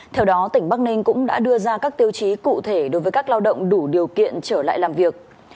theo đó tỉnh bắc ninh cũng đã đưa ra các tiêu chí cụ thể đối với các lao động đủ điều kiện trở lại làm việc